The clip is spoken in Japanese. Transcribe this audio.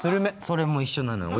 それも一緒なのよ